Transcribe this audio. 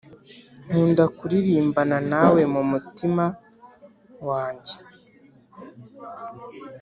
nkunda kuririmbana nawe mumutima wanjye